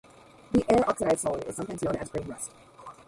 The air-oxidized solid is sometimes known as "green rust".